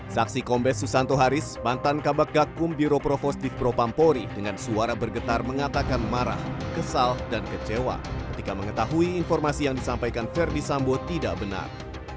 saksi kombes susanto haris mantan kabak gakum biro provos div propampori dengan suara bergetar mengatakan marah kesal dan kecewa ketika mengetahui informasi yang disampaikan verdi sambo tidak benar